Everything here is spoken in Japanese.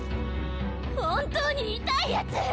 本当に痛いやつ！